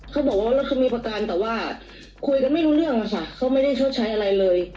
เขาบอกว่ารถเขามีประกันแต่ว่าคุยกันไม่รู้เรื่องอะค่ะเขาไม่ได้ชดใช้อะไรเลย